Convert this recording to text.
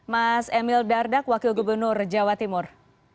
mas emil dardak wakil gubernur jawa timur